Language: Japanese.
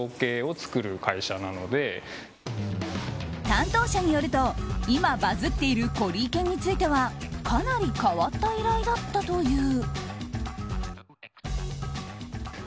担当者によると今バズっているコリー犬についてはかなり変わった依頼だったという。